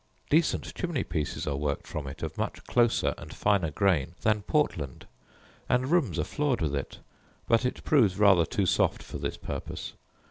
Decent chimney pieces are worked from it of much closer and finer grain than Portland; and rooms are floored with it; but it proves rather too soft for this purpose.